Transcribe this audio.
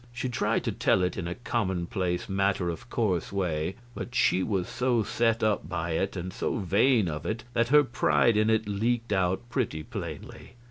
She tried to tell it in a commonplace, matter of course way, but she was so set up by it and so vain of it that her pride in it leaked out pretty plainly.